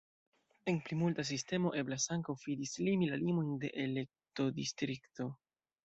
En plimulta sistemo eblas ankaŭ fi-dislimi la limojn de elektodistrikto.